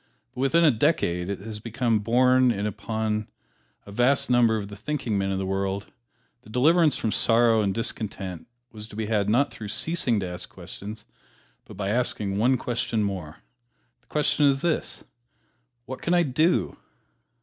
But within a decade it has been borne in upon a vast number of the thinking men of the world that deliverance from sorrow and discontent was to be had not through ceasing to ask questions, but by asking one question more. The question is this, "What can I do?"